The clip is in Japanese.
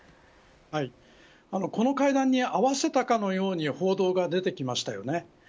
この会談に合わせたかのように報道が出てきました。